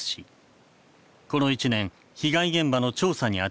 この１年被害現場の調査にあたってきた。